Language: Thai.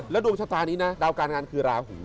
และดวงชะตากรณีนี้น่ะดาวการงานคือราหู